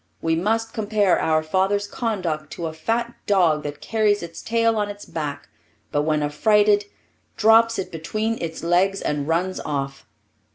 We must compare our father's conduct to a fat dog that carries its tail on its back, but when affrighted drops it between its legs and runs off.